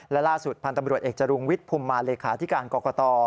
และล่าสุดพันธ์ตำรวจเอกจรุงวิทย์ภูมิมาเลขาธิการกรกต